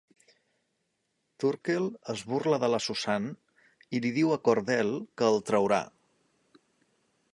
Turkell es burla de la Susan, i li diu a Cordell que el traurà.